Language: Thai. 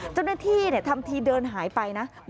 เจ้าหน้าที่ทำทีเดินหายไปนะ